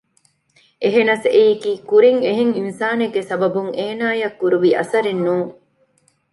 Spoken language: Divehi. އެހެނަސް އެއީކީ ކުރިން އެހެން އިންސާނެއްގެ ސަބަބުން އޭނާއަށް ކުރުވި އަސަރެއް ނޫން